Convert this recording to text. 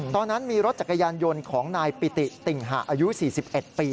ตอนนั้นมีรถจักรยานยนต์ของนายปิติติ่งหะอายุ๔๑ปี